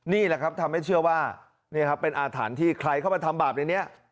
นี่แหละครับทำให้เชื่อว่านี่ครับเป็นอาถรรพ์ที่ใครเข้ามาทำบาปในนี้